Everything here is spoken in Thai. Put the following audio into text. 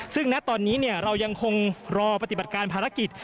ซึ่งณตอนนี้เรายังคงรอปฏิบัติการภารกิจ